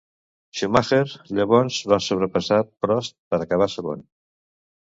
Schumacher llavors va sobrepassar Prost per acabar segon.